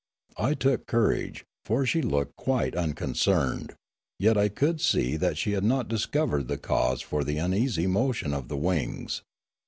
I took courage, for she looked quite unconcerned, yet I could see that she had not discovered the cause for the uneasy motion of the wings.